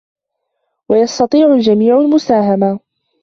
ويستطيع الجميعُ المساهمةَ.